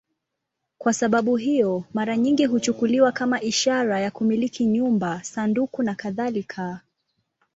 Kwa sababu hiyo, mara nyingi huchukuliwa kama ishara ya kumiliki nyumba, sanduku nakadhalika.